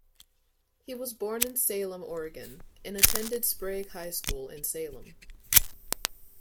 He was born in Salem, Oregon, and attended Sprague High School in Salem.